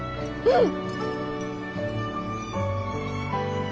うん！